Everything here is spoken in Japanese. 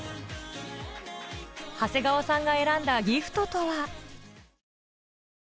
長谷川さんが選んだギフトとは？